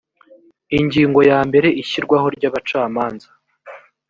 ingingo ya mbere ishyirwaho ry abacamanza